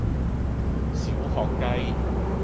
小學雞